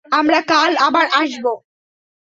আমরা কাল আবার আসব।